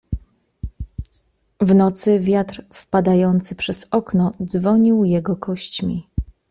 W nocy wiatr wpadający przez okno dzwonił jego kośćmi.